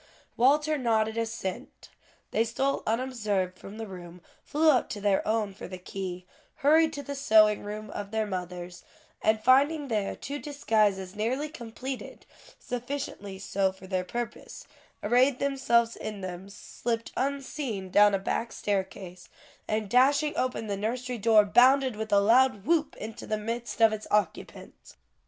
Walter nodded assent; they stole unobserved from the room, flew up to their own for the key, hurried to the sewing room of their mothers, and finding there two disguises nearly completed, sufficiently so for their purpose, arrayed themselves in them, slipped unseen down a back staircase, and dashing open the nursery door, bounded with a loud whoop, into the midst of its occupants.